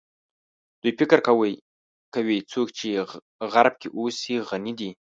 دوی فکر کوي څوک چې غرب کې اوسي غني دي.